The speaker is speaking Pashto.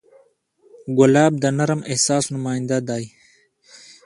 ګلاب د نرم احساس نماینده دی.